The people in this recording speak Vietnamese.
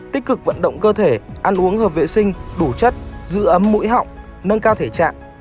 tích cực vận động cơ thể ăn uống hợp vệ sinh đủ chất giữ ấm mũi họng nâng cao thể trạng